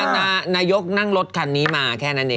นี่นายกนั่งรถคันนี้มาแค่นั้นเนี่ย